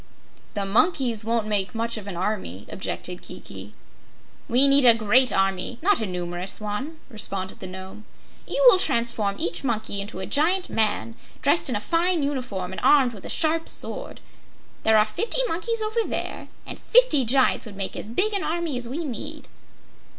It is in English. "The monkeys won't make much of an army," objected Kiki. "We need a great army, but not a numerous one," responded the Nome. "You will transform each monkey into a giant man, dressed in a fine uniform and armed with a sharp sword. There are fifty monkeys over there and fifty giants would make as big an army as we need."